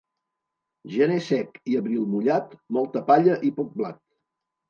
Gener sec i abril mullat, molta palla i poc blat.